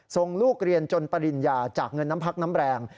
ส่งลูกเรียนจนปริญญาจากเงินน้ำพักน้ำแรง